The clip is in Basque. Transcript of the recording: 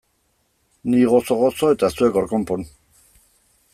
Ni gozo-gozo eta zuek hor konpon!